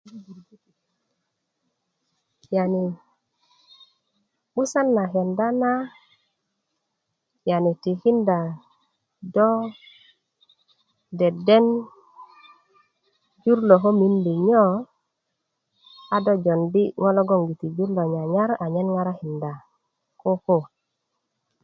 yanii 'busan na kenda na yani tikinda do deden jur lo ko komiindi nyo a do jowundi' ŋo' logoŋ jur lo nyanyar anyen ŋarakinda koko